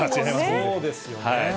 そうですよね。